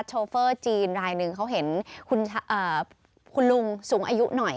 โฟจีนรายหนึ่งเขาเห็นคุณลุงสูงอายุหน่อย